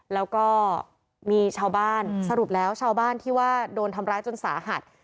แล้วก็มีชาวบ้านสรุปแล้วชาวบ้านที่ว่าโดนทำร้ายจนสาหัส